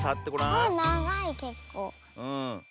うん。